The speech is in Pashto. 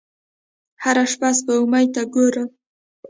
هره شپه سپوږمۍ ته ګورم